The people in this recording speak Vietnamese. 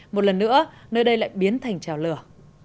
một lần nữa nơi đây lại biến thành trào lửa